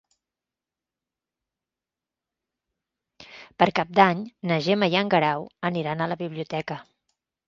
Per Cap d'Any na Gemma i en Guerau aniran a la biblioteca.